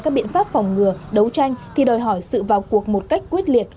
các biện pháp phòng ngừa đấu tranh thì đòi hỏi sự vào cuộc một cách quyết liệt